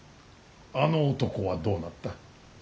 あの男はどうなった。